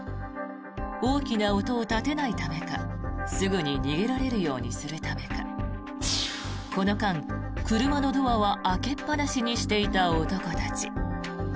大きな音を立てないためかすぐに逃げられるようにするためかこの間、車のドアは開けっ放しにしていた男たち。